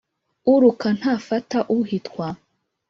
Uruka ntafata uhitwa.